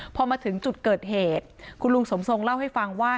พอมาถึงจุดเกิดเหตุคุณลุงสมทรงเล่าให้ฟังว่า